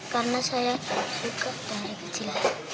karena saya suka dari kecil